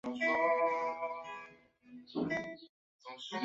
布琼布拉国际机场是一位位于布隆迪首都布琼布拉的国际机场。